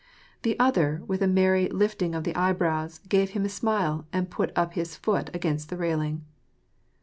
The other, with a merry lifting of the eyebrows, gave him a smile, and put up his foot against the railing.